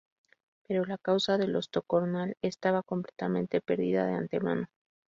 Pero la causa de los Tocornal estaba completamente perdida de antemano.